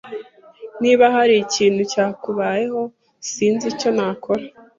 Niba hari ikintu cyakubayeho, sinzi icyo nakora.